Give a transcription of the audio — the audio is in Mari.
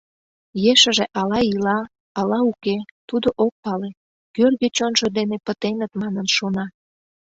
Ешыже ала ила, ала уке, тудо ок пале, кӧргӧ чонжо дене пытеныт манын шона.